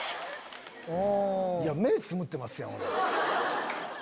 目つぶってますやん俺。